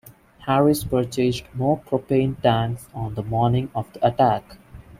Harris purchased more propane tanks on the morning of the attack.